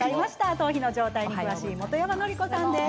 頭皮の状態に詳しい本山典子さんです。